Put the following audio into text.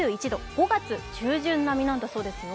５月中旬並みなんだそうですよ。